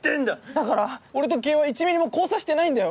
だから俺と清居は１ミリも交差してないんだよ。